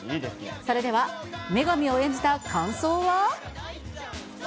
それでは、女神を演じた感想は？